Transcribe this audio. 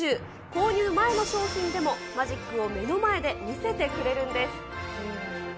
購入前の商品でも、マジックを目の前で見せてくれるんです。